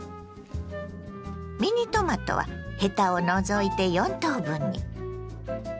ミニトマトはヘタを除いて４等分に。